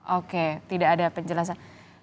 oke tidak ada penjelasan